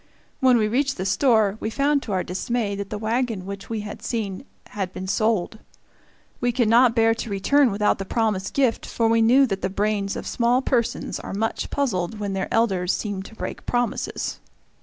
When we reached the store, we found to our dismay that the wagon which we had seen had been sold. We could not bear to return without the promised gift, for we knew that the brains of small persons are much puzzled when their elders seem to break promises.